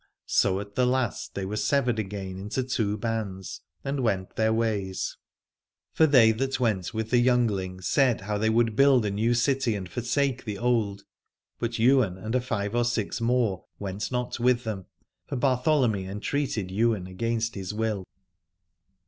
So at the last they were severed again into two bands and went their ways : for they that went with the youngling said how they would build a new city and forsake the old, but Ywain and a five or six more went not with them, for Bartholomy entreated Ywain against his will.